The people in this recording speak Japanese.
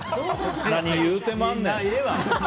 何言うてまんねん！